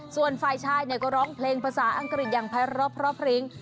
ส่วนฝ่ายชายก็ร้องเพลงภาษาอังกฤษอย่างภายรอบเพราะพริ้ง